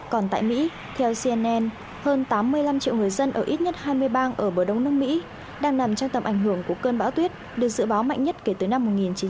còn tại mỹ theo cnn hơn tám mươi năm triệu người dân ở ít nhất hai mươi bang ở bờ đông nước mỹ đang nằm trong tầm ảnh hưởng của cơn bão tuyết được dự báo mạnh nhất kể từ năm một nghìn chín trăm bảy mươi